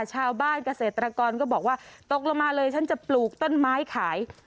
เกษตรกรก็บอกว่าตกลงมาเลยฉันจะปลูกต้นไม้ขาย